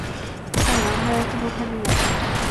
হ্যাঁ, আমরা এখন ওখানেই আছি।